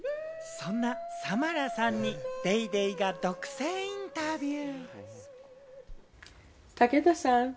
そんなサマラさんに『ＤａｙＤａｙ．』が独占インタビュー。